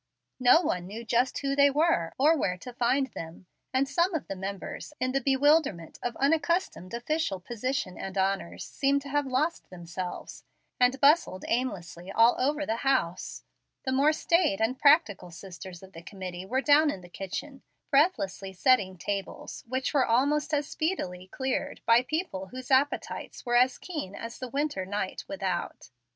No one knew just who they were, or where to find them, and some of the members, in the bewilderment of unaccustomed official position and honors, seemed to have lost themselves, and bustled aimlessly all over the house. The more staid and practical sisters of the committee were down in the kitchen, breathlessly setting tables which were almost as speedily cleared by people whose appetites were as keen as the winter night without.